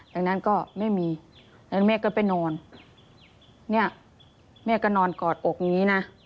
ดังนั้นก็ไม่มีแล้วแม่ก็ไปนอนเนี่ยแม่ก็นอนกอดอกอย่างนี้นะ